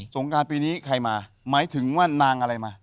งการปีนี้ใครมาหมายถึงว่านางอะไรมา